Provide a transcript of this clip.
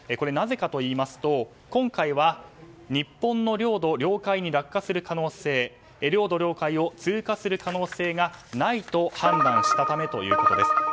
なぜかといいますと今回は日本の領土・領海に落下する可能性領土・領海を通過する可能性がないと判断したためということです。